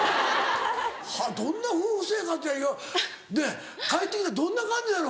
どんな夫婦生活ねぇ帰ってきたらどんな感じなの？